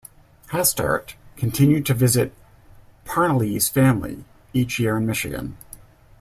Hastert continued to visit Parnalee's family each year in Michigan.